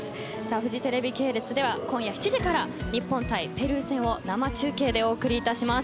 フジテレビ系列では今夜７時から日本対ペルー戦を生中継でお送りします。